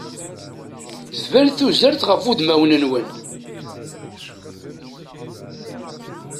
Tban tuzert ɣef udmawen-nwen.